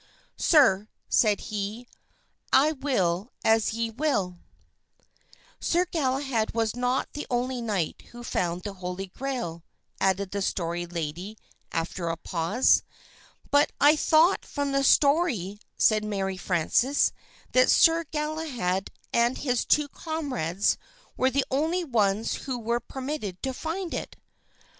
"Sir," said he, "I will as ye will." "Sir Galahad was not the only knight who found the Holy Grail," added the Story Lady after a pause. "But I thought from the story," said Mary Frances, "that Sir Galahad and his two comrades were the only ones who were permitted to find it."